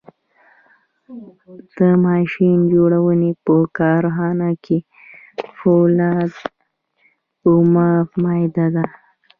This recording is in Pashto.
د ماشین جوړونې په کارخانه کې فولاد اومه ماده ده.